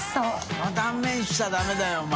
これは断面しちゃダメだよお前。